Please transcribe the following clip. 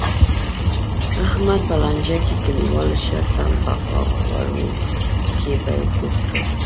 احمد په لانجه کې، کلیوالو ښه سم په غوړو کې پوست کړ.